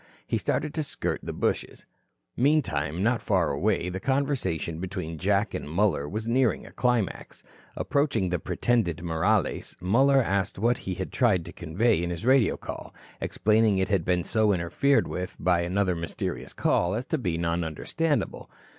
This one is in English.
He started to skirt the bushes. Meantime, not far away, the conversation between Jack and Muller was nearing a climax. Approaching the pretended Morales, Muller asked what he had tried to convey in his radio call, explaining it had been so interfered with by another mysterious call as to be non understandable.